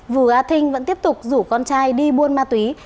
vừa a thinh vẫn tiếp tục rủ con trai đi buôn ma túy